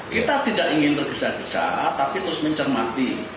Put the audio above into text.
kita tidak ingin tergesa gesa tapi terus mencermati